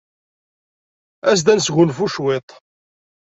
As-d ad nesgunfu cwiṭ.